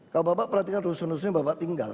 kalau bapak perhatikan rusun rusunnya bapak tinggal